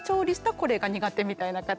これが苦手みたいな形で。